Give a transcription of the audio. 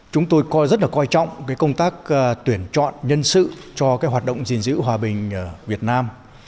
chúng tôi rất là coi trọng công tác tuyển chọn nhân sự cho hoạt động gìn giữ hòa bình việt nam